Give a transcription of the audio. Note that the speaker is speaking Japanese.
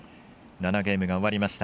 ７ゲームが終わりました。